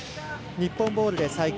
日本ボールで再開。